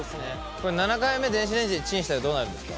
これ７回目電子レンジでチンしたらどうなるんですか？